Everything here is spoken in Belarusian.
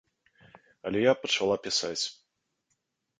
Але я пачала пісаць.